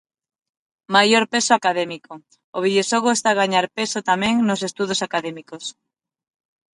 Maior peso académico. O videoxogo está a gañar peso tamén nos estudos académicos.